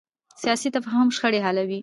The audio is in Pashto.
سیاسي تفاهم شخړې حلوي